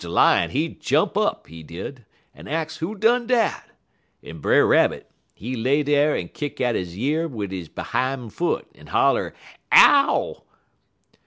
Lion, he jump up, he did, en ax who done dat, en Brer Rabbit, he lay dar en kick at he year wid he behime foot, en holler '_Ow!